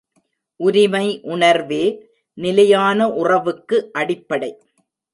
உரிமை உணர்வே நிலையான உறவுக்கு அடிப்படை.